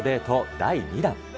第２弾。